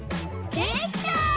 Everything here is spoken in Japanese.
できた！